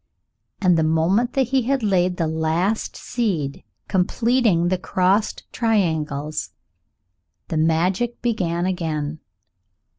And the moment that he had lain the last seed, completing the crossed triangles, the magic began again.